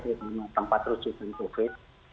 di tempat rujuk covid sembilan belas